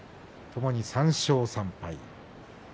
ともに３勝３敗。